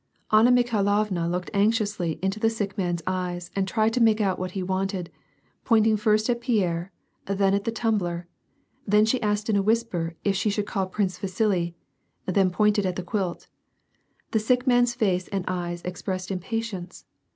Anna Mikhailovna looked anxiously mto the sick man's eyes and tried to make out what he wanted, pointing first at Pierre, then at the tumbler ; then she asked in a whisper if she should call Prince Vasili, then pointed at the quilt. The sick man's face and eyes expressed impatience.